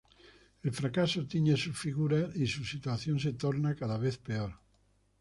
El fracaso tiñe sus figuras y su situación se torna cada vez peor.